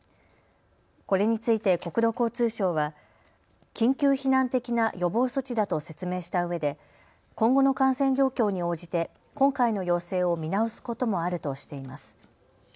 これについて国土交通省は緊急避難的な予防措置だと説明したうえで今後の感染状況に応じて今回の要請を見直すこともあるとしています。